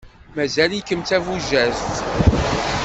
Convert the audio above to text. Mazal-ikem d tabujadt.